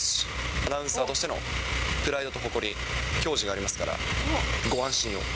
アナウンサーとしてのプライドと誇り、きょうじがありますから。